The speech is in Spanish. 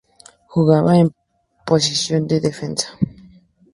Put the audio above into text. Jugaba en posición de defensa.